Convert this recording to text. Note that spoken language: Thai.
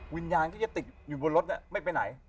วิญญาณที่จะติดอยู่บนรถไม่ไปไหน